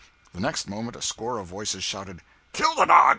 The next moment a score of voices shouted, "Kill the dog!